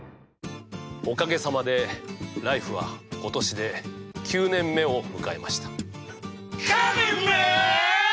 おかげさまで「ＬＩＦＥ！」は今年で９年目を迎えました。